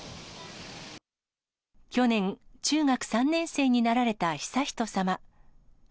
去年、中学３年生になられた悠仁さま。